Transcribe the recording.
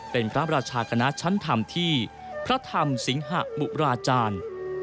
เป็นพระราชาคณะชั้นธรรมที่พระธรรมสิงหะบุราจารย์